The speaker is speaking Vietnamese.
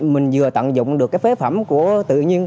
mình vừa tận dụng được cái phế phẩm của tự nhiên